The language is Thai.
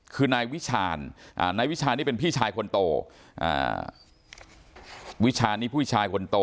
คือนายวิชาญนายวิชานี่เป็นพี่ชายคนโตอ่าวิชานี้ผู้ชายคนโต